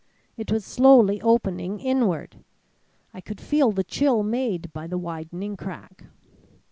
It was slowly opening inward. I could feel the chill made by the widening crack.